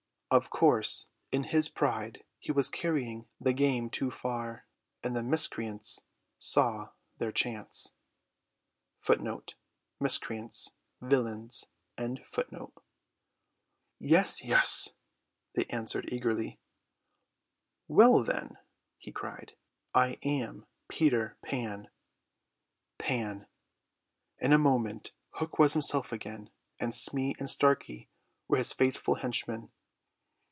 Of course in his pride he was carrying the game too far, and the miscreants saw their chance. "Yes, yes," they answered eagerly. "Well, then," he cried, "I am Peter Pan." Pan! In a moment Hook was himself again, and Smee and Starkey were his faithful henchmen.